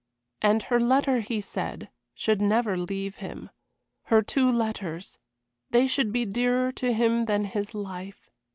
And her letter, he said, should never leave him her two letters; they should be dearer to him than his life.